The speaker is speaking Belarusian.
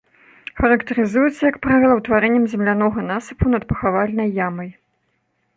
Характарызуецца, як правіла, утварэннем землянога насыпу над пахавальнай ямай.